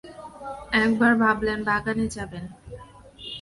এক বার ভাবলেন বাগানে যাবেন।